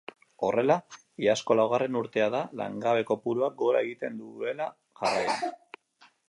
Horrela, iazkoa laugarren urtea da langabe kopuruak gora egiten duela jarraian.